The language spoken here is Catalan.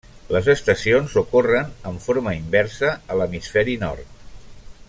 Les estacions ocorren en forma inversa a l'hemisferi nord.